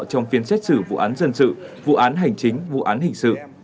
trong phiên xét xử vụ án dân sự vụ án hành chính vụ án hình sự